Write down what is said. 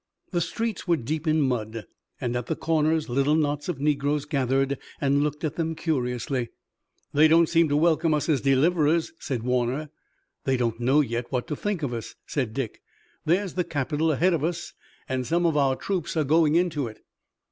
The streets were deep in mud, and at the corners little knots of negroes gathered and looked at them curiously. "They don't seem to welcome us as deliverers," said Warner. "They don't yet know what to think of us," said Dick. "There's the Capitol ahead of us, and some of our troops are going into it."